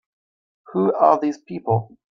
Who are these people?